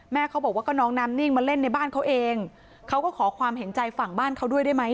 เขาบอกว่าก็น้องน้ำนิ่งมาเล่นในบ้านเขาเองเขาก็ขอความเห็นใจฝั่งบ้านเขาด้วยได้ไหม